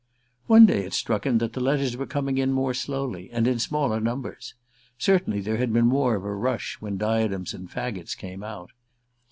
One day it struck him that the letters were coming in more slowly and in smaller numbers. Certainly there had been more of a rush when "Diadems and Faggots" came out.